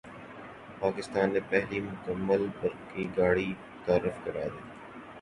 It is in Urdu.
پاکستان نے پہلی مکمل برقی گاڑی متعارف کرادی